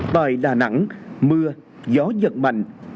tại đà nẵng mưa gió giật mạnh